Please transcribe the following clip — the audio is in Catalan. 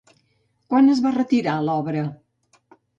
Quan es va retirar l'obra?